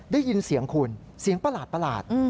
ได้ยินเสียงคุณเสียงประหลาด